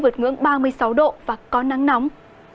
vượt ngưỡng ba mươi sáu độ và có nắng nóng